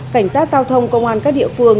cảnh sát giao thông công an các địa phương